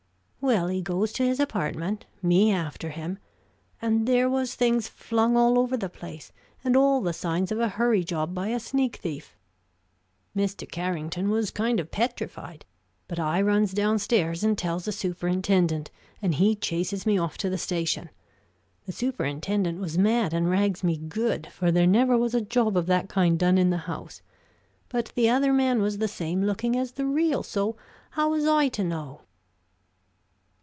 Well, he goes to his apartment, me after him, and there was things flung all over the place, and all the signs of a hurry job by a sneak thief. Mr. Carrington was kind of petrified, but I runs downstairs and tells the superintendent, and he chases me off to the station. The superintendent was mad and rags me good, for there never was a job of that kind done in the house. But the other man was the same looking as the real, so how was I to know?"